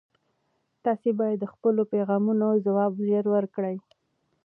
تاسي باید د خپلو پیغامونو ځواب ژر ورکړئ.